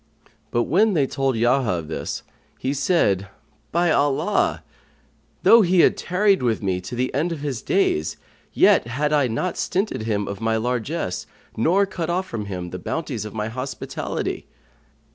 But when they told Yahya of this, he said, "By Allah, though he had tarried with me to the end of his days, yet had I not stinted him of my largesse nor cut off from him the bounties of my hospitality!"